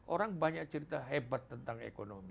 orang banyak cerita hebat tentang ekonomi